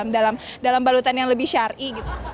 dalam balutan yang lebih syari